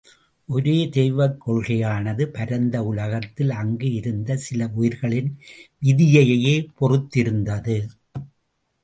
ஒரே தெய்வக் கொள்கையானது, பரந்த உலகத்தில் அங்கு இருந்த சில உயிர்களின் விதியையே பொறுத்திருந்தது.